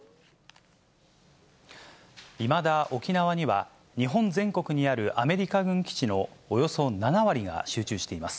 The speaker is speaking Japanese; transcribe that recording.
いまだ沖縄には、日本全国にあるアメリカ軍基地のおよそ７割が集中しています。